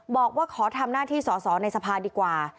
บอกว่าขอทำหน้าที่สอสอในสภาดีกว่า